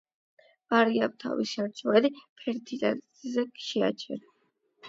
მარიამ თავისი არჩევანი ფერდინანდზე შეაჩერა.